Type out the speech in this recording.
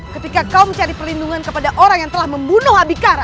ketika kau mencari perlindungan kepada orang yang telah membunuh habikara